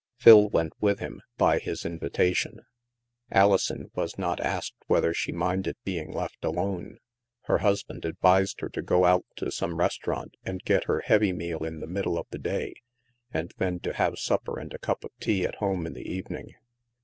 Phil went with him, by his invitation. Alison was not asked whether she minded being left alone. Her husband advised her to go out to some restaurant and get her heavy meal in the mid dle of the day, and then to have supper and a cup of tea at home in the evening.